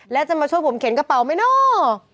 แล้วจะมาช่วยผมเข็นกระเป๋าไหมเนาะ